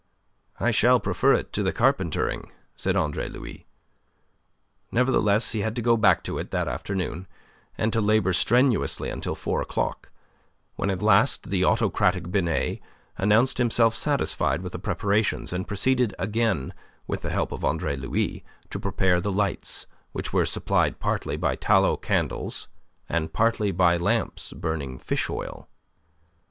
"I shall prefer it to carpentering," said Andre Louis. Nevertheless he had to go back to it that afternoon, and to labour strenuously until four o'clock, when at last the autocratic Binet announced himself satisfied with the preparations, and proceeded, again with the help of Andre Louis, to prepare the lights, which were supplied partly by tallow candles and partly by lamps burning fish oil.